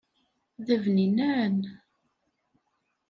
D abninan.